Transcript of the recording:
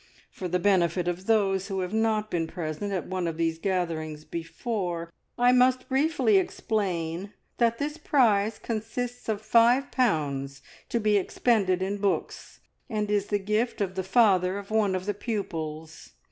For the benefit of those who have not been present at one of these gatherings before, I must briefly explain that this prize consists of five pounds to be expended in books, and is the gift of the father of one of the pupils.